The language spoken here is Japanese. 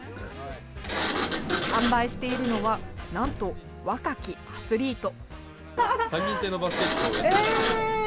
販売しているのはなんと若きアスリート。